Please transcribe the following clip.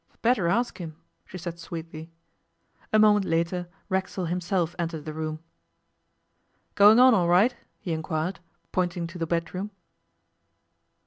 'Better ask him,' she said sweetly. A moment later Racksole himself entered the room. 'Going on all right?' he enquired, pointing to the bedroom.